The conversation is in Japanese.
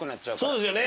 そうですよね。